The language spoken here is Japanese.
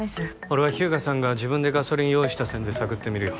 俺は日向さんが自分でガソリン用意した線で探ってみるよ